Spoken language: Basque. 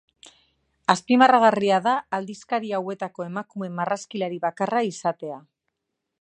Azpimarragarria da aldizkari hauetako emakume marrazkilari bakarra izatea.